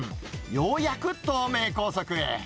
ようやく東名高速へ。